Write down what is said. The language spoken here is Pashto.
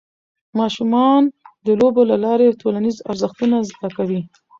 ماشومان د لوبو له لارې ټولنیز ارزښتونه زده کوي.